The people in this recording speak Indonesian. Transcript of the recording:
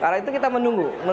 karena itu kita menunggu